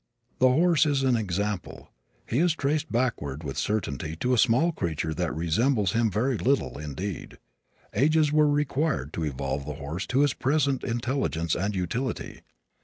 The horse is an example. He is traced backward with certainty to a small creature that resembles him very little indeed. Ages were required to evolve the horse into his present intelligence and utility.